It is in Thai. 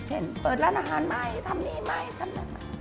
เปิดร้านอาหารใหม่ทำนี่ใหม่เท่านั้น